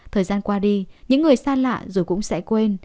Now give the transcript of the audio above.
thời gian qua đi những người xa lạ rồi cũng sẽ quên